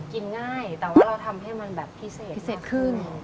กินง่ายแต่ว่าเราทำให้มันแบบพิเศษพิเศษขึ้น